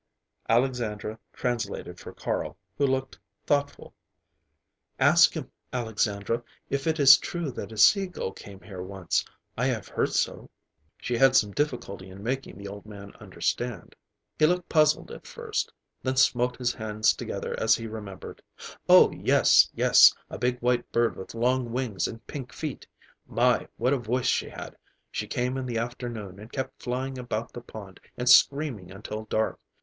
Alexandra translated for Carl, who looked thoughtful. "Ask him, Alexandra, if it is true that a sea gull came here once. I have heard so." She had some difficulty in making the old man understand. He looked puzzled at first, then smote his hands together as he remembered. "Oh, yes, yes! A big white bird with long wings and pink feet. My! what a voice she had! She came in the afternoon and kept flying about the pond and screaming until dark.